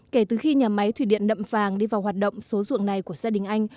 kể từ khi nhà máy thủy điện nậm phàng đi vào hoạt động số ruộng này của gia đình anh